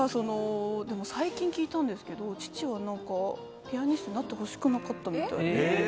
でも最近聞いたんですけど父はピアニストになってほしくなかったみたい。